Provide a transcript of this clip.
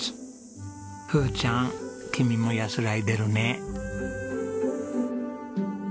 ふーちゃん君も安らいでるね。